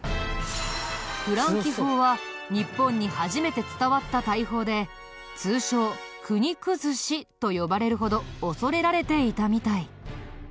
フランキ砲は日本に初めて伝わった大砲で通称国崩しと呼ばれるほど恐れられていたみたい。